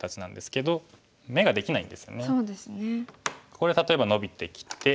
ここで例えばノビてきて。